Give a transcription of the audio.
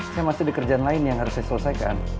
saya masih ada kerjaan lain yang harus saya selesaikan